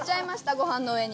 ご飯の上に。